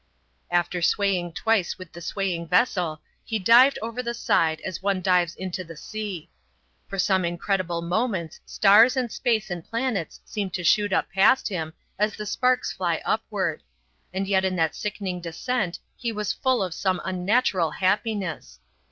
After swaying twice with the swaying vessel he dived over the side as one dives into the sea. For some incredible moments stars and space and planets seemed to shoot up past him as the sparks fly upward; and yet in that sickening descent he was full of some unnatural happiness.